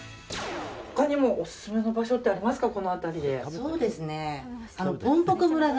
他にもオススメの場所ってありますか、この辺りで。